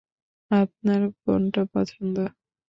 আপনার কোনটা পছন্দ?